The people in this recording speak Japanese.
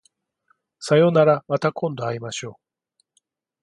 さようならまた今度会いましょう